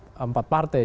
pertemuan empat partai